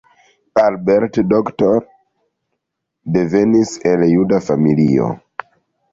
Albert Doctor devenis el juda familio.